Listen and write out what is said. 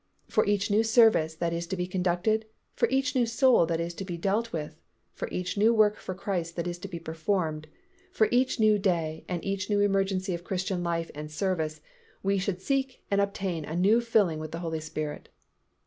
For each new service that is to be conducted, for each new soul that is to be dealt with, for each new work for Christ that is to be performed, for each new day and each new emergency of Christian life and service, we should seek and obtain a new filling with the Holy Spirit.